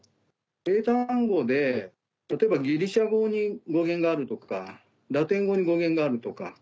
英単語で例えばギリシャ語に語源があるとかラテン語に語源があるとか。